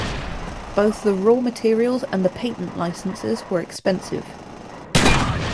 Both the raw materials and the patent licenses were expensive.